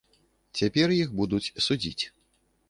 Цяпер іх будуць судзіць.